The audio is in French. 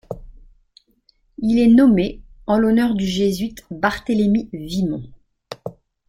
Il est nommé en l'honneur du jésuite Barthélemy Vimont.